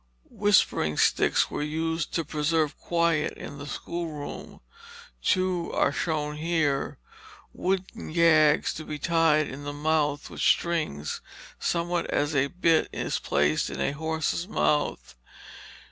"Whispering sticks" were used to preserve quiet in the schoolroom. Two are shown here, wooden gags to be tied in the mouth with strings, somewhat as a bit is placed in a horse's mouth.